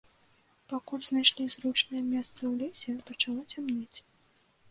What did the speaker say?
Пакуль знайшлі зручнае месца ў лесе, пачало цямнець.